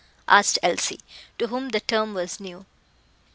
asked Elsie, to whom the term was new.